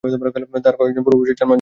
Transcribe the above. তার কয়েকজন পূর্বপুরুষ জার্মান ছিলেন।